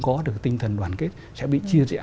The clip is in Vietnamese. có được tinh thần đoàn kết sẽ bị chia rẽ